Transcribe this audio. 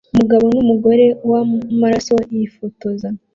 Umugabo numugore wamaraso yifotoza